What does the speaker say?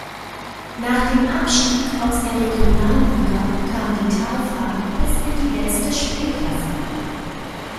Nach dem Abstieg aus der Regionalliga kam die Talfahrt bis in die letzte Spielklasse.